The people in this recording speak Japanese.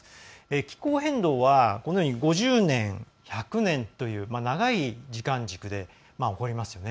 気候変動は５０年、１００年という長い時間軸で起こりますよね。